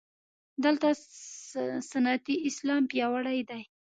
دلته سنتي اسلام پیاوړی دی.